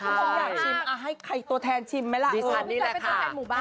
ผมอยากชิมอ่ะให้ใครตัวแทนชิมไหมล่ะดิสันดี้แหละค่ะตัวแทนหมู่บ้าน